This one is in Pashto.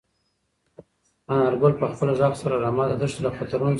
انارګل په خپل غږ سره رمه د دښتې له خطرونو څخه وژغورله.